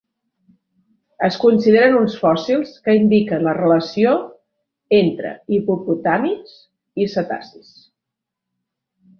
Es consideren uns fòssils que indiquen la relació entre hipopotàmids i cetacis.